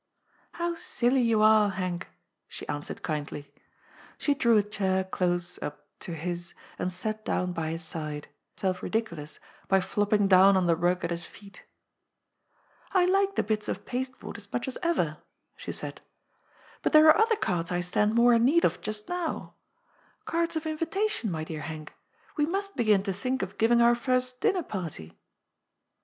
" How silly you are, Henk," she answered kindly. She drew a chair close up to his and sat down by his side. She had too much sense of the fitness of things to risk making herself ridiculous by flopping down on the rug at his feet '^ I like the bits of pasteboard as much as ever," she said, *^ but tfhere are other cards I stand more in need of just now. Cards of invitation, my dear Henk. We must begin to think of giving our first dinner party."